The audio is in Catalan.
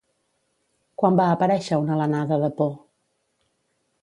Quan va aparèixer una alenada de por?